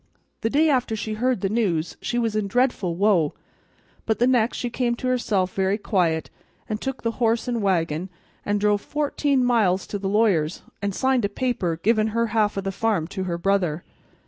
The day after she heard the news she was in dreadful woe, but the next she came to herself very quiet, and took the horse and wagon, and drove fourteen miles to the lawyer's, and signed a paper givin' her half of the farm to her brother.